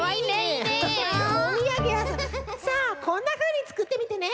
さあこんなふうにつくってみてね。